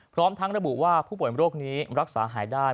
พร้อมทั้งระบุว่าผู้ป่วยโรคนี้รักษาหายได้